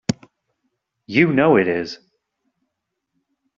You know it is!